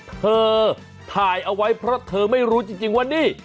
เธอถ่ายเอาไว้เพราะเธอไม่รู้จริงว่านี่